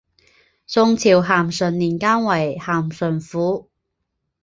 宋朝咸淳年间为咸淳府。